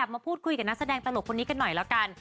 มาพูดคุยกับนักแสดงตลกคนนี้กันหน่อยแล้วกัน